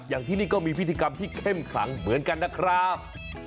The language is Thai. อย่างที่นี่ก็มีพิธีกรรมที่เข้มขลังเหมือนกันนะครับ